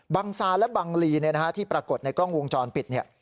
ซาและบังลีที่ปรากฏในกล้องวงจรปิด